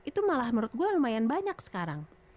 itu malah menurut gue lumayan banyak sekarang